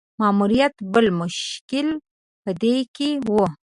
ماموریت بل مشکل په دې کې وو.